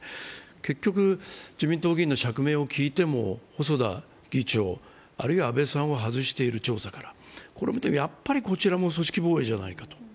結局、自民党議員の釈明を聞いても細田議長、あるいは安倍さんを調査から外している、これを見ても、やっぱりこちらも組織防衛じゃないかと。